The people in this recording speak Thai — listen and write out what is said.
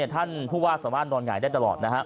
ท่านผู้ว่าสามารถรอนไหงได้ตลอด